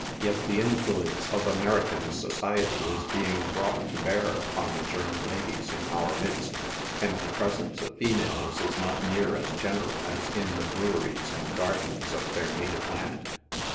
Yet the influence of Ame 56 NIGHT SIDE OF NEW YORK. rican society is being brought to bear upon tbe German ladies in onr midst — and the presence of females is not near as general as in tbe breweries and gartens of their native land.